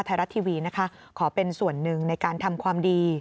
ไทยรัตน์ทีวีขอเป็นส่วนนึงในการทำความดี